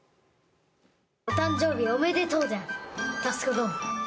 お誕生日おめでとうである佑殿。